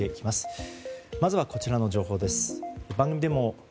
まずは、こちらの情報です。